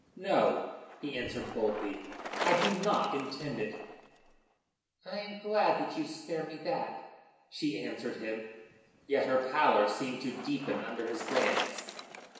"No," he answered boldly, "I do not intend it." "I am glad that you spare me that," she answered him, yet her pallor seemed to deepen under his glance.